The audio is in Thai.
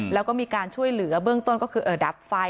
แล้วก็มีการช่วยเหลือเบื้องต้นก็คือดับไฟ